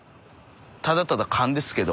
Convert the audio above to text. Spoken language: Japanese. ただただ勘ですけど。